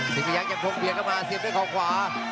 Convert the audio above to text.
สิงพยักษ์จับโพงเบียนเข้ามาเสียบด้วยขอขวา